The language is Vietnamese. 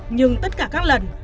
nhưng tất cả các lần